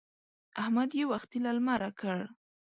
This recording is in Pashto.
احمد يې وختي له لمره کړ.